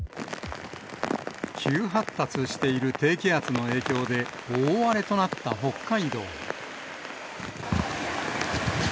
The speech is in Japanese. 急発達している低気圧の影響で、大荒れとなった北海道。